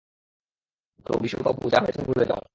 তো, বিশু বাবু যা হয়েছে ভুলে যাও।